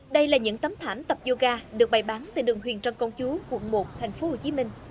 đây là những tấm thảm tập yoga được bày bán tại đường huyền trân công chú quận một tp hcm